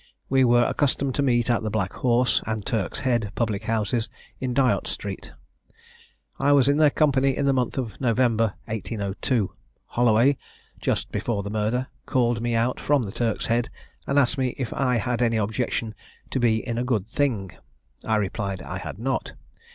We were accustomed to meet at the Black Horse, and Turk's Head, public houses, in Dyot street. I was in their company in the month of November 1802. Holloway, just before the murder, called me out from the Turk's Head, and asked me if I had any objection to be in a good thing? I replied I had not.